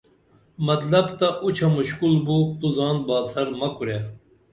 مطلب تہ اُچھہ مُشکُل بو تو زان باڅر مہ کُرے